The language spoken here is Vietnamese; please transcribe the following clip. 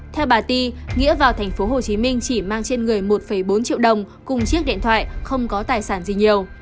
theo bà ti nghĩa vào tp hcm chỉ mang trên người một bốn triệu đồng cùng chiếc điện thoại không có tài sản gì nhiều